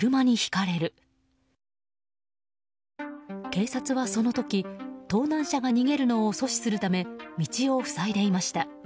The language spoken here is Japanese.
警察はその時盗難車が逃げるのを阻止するため道を塞いでいました。